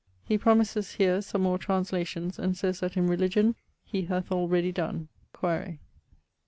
He promises (here) some more translations and sayes that in religion he hath alreadie don, quaere.